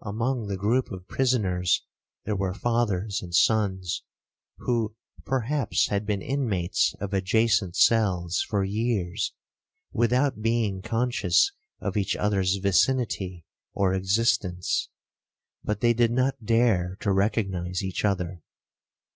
'Among the groupe of prisoners, there were fathers and sons, who perhaps had been inmates of adjacent cells for years, without being conscious of each others vicinity or existence—but they did not dare to recognize each other.